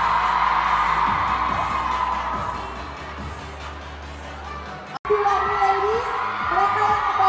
ขอบคุณมากสวัสดีครับ